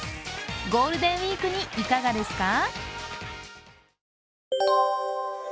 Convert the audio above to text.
ゴールデンウイークにいかがですか？